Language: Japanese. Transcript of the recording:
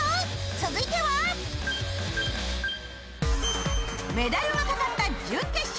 続いてはメダルがかかった準決勝